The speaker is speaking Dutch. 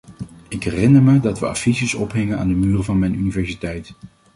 Ik herinner me dat we affiches ophingen aan de muren van mijn universiteit.